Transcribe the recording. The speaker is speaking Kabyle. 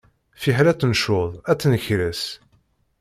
Fiḥel ad tt-ncudd ad tt-nkres.